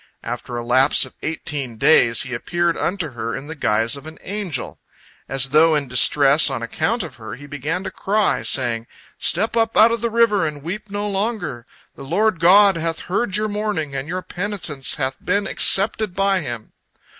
After a lapse of eighteen days he appeared unto her in the guise of an angel. As though in distress on account of her, he began to cry, saying: "Step up out of the river, and weep no longer. The Lord God hath heard your mourning, and your penitence hath been accepted by Him.